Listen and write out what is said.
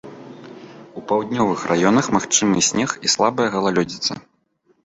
У паўднёвых раёнах магчымы снег і слабая галалёдзіца.